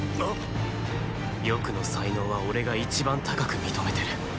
翼の才能は俺が一番高く認めてる。